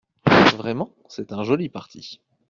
Vraiment c’est un joli parti !